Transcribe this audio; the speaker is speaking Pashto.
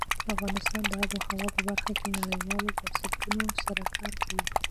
افغانستان د آب وهوا په برخه کې نړیوالو بنسټونو سره کار کوي.